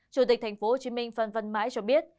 chủ tịch tp hcm phan văn mãi cho biết